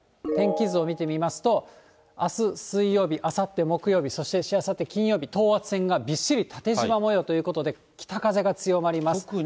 天気図を見てみますと、あす水曜日、あさって木曜日、そしてしあさって金曜日、等圧線がびっしり縦じま模様ということで、北風が強まります。